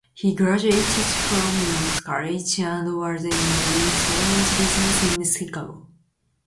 He graduated from Knox College and was in the insurance business in Chicago.